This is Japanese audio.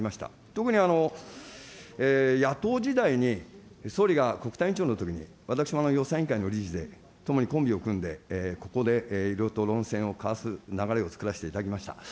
特に野党時代に、総理が国対委員長のときに私も予算委員会の理事で、共にコンビを組んで、ここでいろいろと論戦を交わす流れを作らせていただきました。